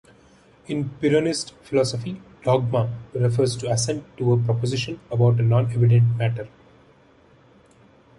In Pyrrhonist philosophy "dogma" refers to assent to a proposition about a non-evident matter.